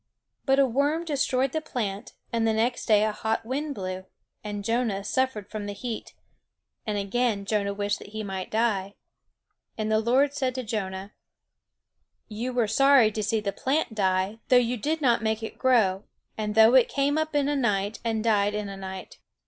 But a worm destroyed the plant; and the next day a hot wind blew, and Jonah suffered from the heat; and again Jonah wished that he might die. And the Lord said to Jonah: "You were sorry to see the plant die, though you did not make it grow, and though it came up in a night and died in a night.